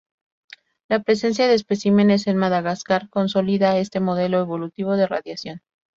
La presencia de especímenes en Madagascar consolida este modelo evolutivo de radiación.